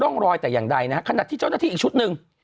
ร่องรอยแต่อย่างใดนะฮะขณะที่เจ้าหน้าที่อีกชุดหนึ่ง